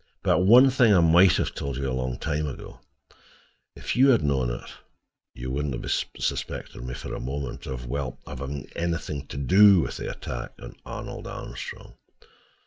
But one thing I might have told you a long time ago. If you had known it, you would not have suspected me for a moment of—of having anything to do with the attack on Arnold Armstrong.